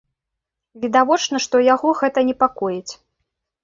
Відавочна, што яго гэта непакоіць.